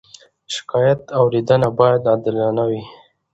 د شکایت اورېدنه باید عادلانه وي.